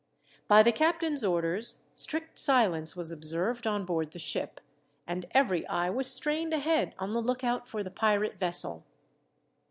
By the captain's orders strict silence was observed on board the ship, and every eye was strained ahead on the lookout for the pirate vessel.